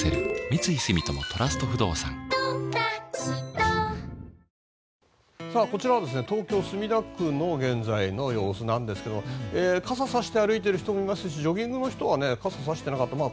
ぷはーっこちらは東京・墨田区の現在の様子なんですが傘をさして歩いている人もいますしジョギングの人は傘をさしてないですね。